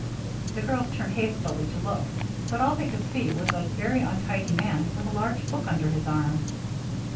The girls turned hastily to look, but all they could see was a very untidy man with a large book under his arm.